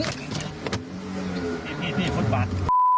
พี่พี่พี่พูดบัตร